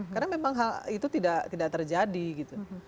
karena memang hal itu tidak terjadi gitu